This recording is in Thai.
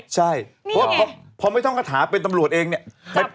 ใช่เพราะพอไม่ต้องกระถาเป็นตำรวจเองเนี่ย